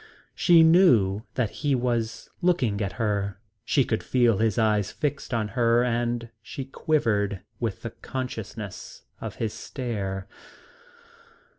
She knew that he was looking at her. She could feel his eyes fixed on her and she quivered with the consciousness of his stare.